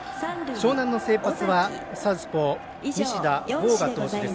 樟南の先発はサウスポー西田恒河です。